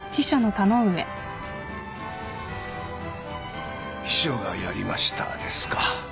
「秘書がやりました」ですか。